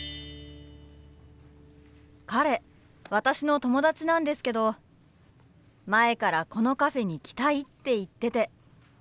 彼私の友達なんですけど前からこのカフェに来たいって言ってて。